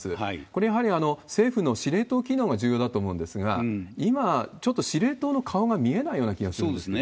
これ、やはり政府の司令塔機能が重要だと思うんですが、今、ちょっと司令塔の顔が見えないような気がするんですが。